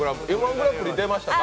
グランプリ、出ましたか？